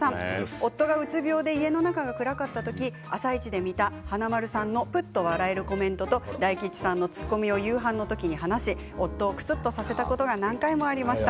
夫が、うつ病で家の中が暗かった時「あさイチ」で見た華丸さんのくすっと笑えるコメントと大吉さんのツッコミを夕飯の時に話し夫をくすっとさせたことが何回もありました。